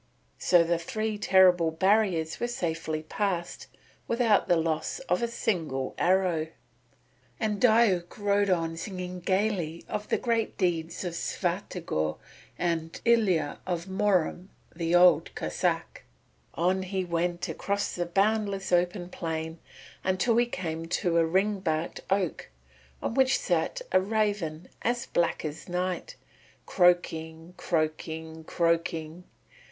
So the three terrible barriers were safely passed without the loss of a single arrow, and Diuk rode onward singing gaily of the great deeds of Svyatogor and Ilya of Murom the Old Cossáck. On he went across the boundless open plain until he came to a ring barked oak on which sat a raven as black as night, croaking, croaking, croaking.